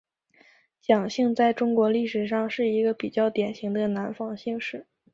蒋姓在中国历史上是一个比较典型的南方姓氏。